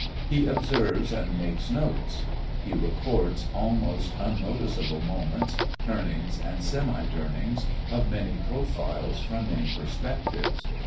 He observes and makes notes; he records almost unnoticeable moments, turnings and semi turnings of many profiles from many perspectives.